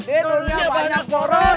di dunia banyak poros